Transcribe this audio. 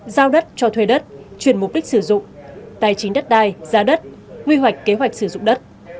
giao đất cho thuê đất chuyển mục đích sử dụng tài chính đất đai giá đất quy hoạch kế hoạch sử dụng đất